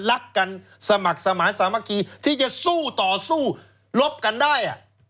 รักกันสมัครสมาธิสามัคคีที่จะสู้ต่อสู้รบกันได้